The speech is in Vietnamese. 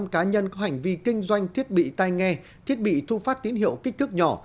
năm cá nhân có hành vi kinh doanh thiết bị tai nghe thiết bị thu phát tín hiệu kích thước nhỏ